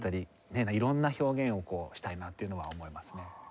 色んな表現をしたいなというのは思いますね。